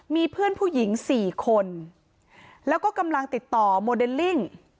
มีเพื่อนผู้หญิง๔คนแล้วก็กำลังติดต่อโมเดลลิ่ง